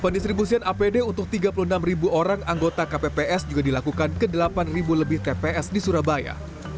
pendistribusian apd untuk tiga puluh enam ribu orang anggota kpps juga dilakukan ke delapan lebih tps di surabaya